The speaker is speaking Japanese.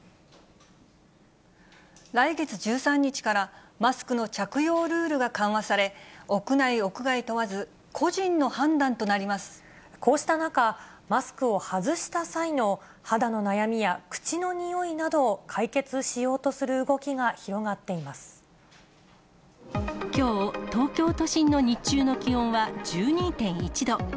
来月１３日から、マスクの着用ルールが緩和され、屋内、屋外問わず、個人の判断とこうした中、マスクを外した際の肌の悩みや口のにおいなどを解決しようとするきょう、東京都心の日中の気温は１２．１度。